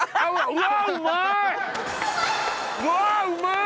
うわうまい。